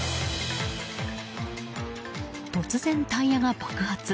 突然、タイヤが爆発。